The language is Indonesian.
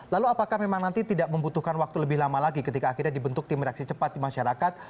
lalu apakah memang nanti tidak membutuhkan waktu lebih lama lagi ketika akhirnya dibentuk tim reaksi cepat di masyarakat